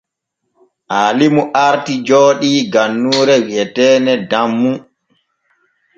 Aalimu arti jooɗii gannuure wi’eteene Dammu.